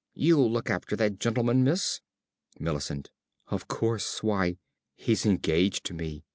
You'll look after that gentleman, miss? ~Millicent.~ Of course! Why, he's engaged to me.